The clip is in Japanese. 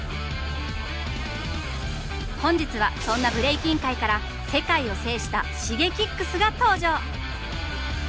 本日はそんなブレイキン界から世界を制したＳｈｉｇｅｋｉｘが登場！